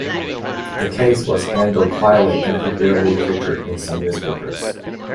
The case was handled quietly and it barely featured in some newspapers.